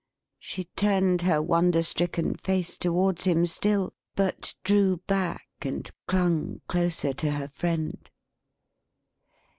She turned her wonder stricken face towards him still; but drew back, and clung closer to her friend.